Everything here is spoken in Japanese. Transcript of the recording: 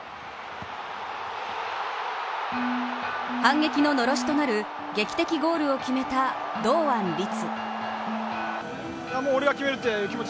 反撃ののろしとなる劇的ゴールを決めた堂安律。